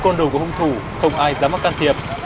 trước hành vi côn đồ của hung thủ không ai dám mắc can thiệp